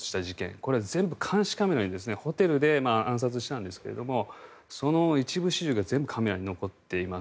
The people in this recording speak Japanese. これ、全部監視カメラにホテルで暗殺したんですがその一部始終が全部カメラに残っています。